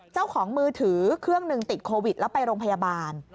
เจ้าของมือถือเครื่องหนึ่งติดโควิดแล้วไปโรงพยาบาล